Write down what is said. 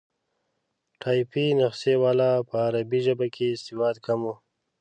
ټایپي نسخې والا په عربي ژبه کې سواد کم وو.